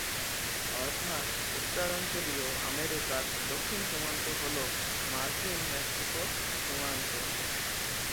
অর্থাৎ উত্তরাঞ্চলীয় আমেরিকার দক্ষিণ সীমান্ত হল মার্কিন-মেক্সিকো সীমান্ত।